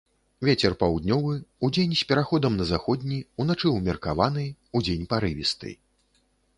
Вецер паўднёвы, удзень з пераходам на заходні, уначы ўмеркаваны, удзень парывісты.